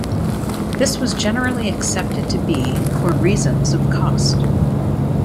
This was generally accepted to be for reasons of cost.